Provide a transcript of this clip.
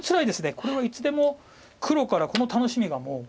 これはいつでも黒からこの楽しみがもう。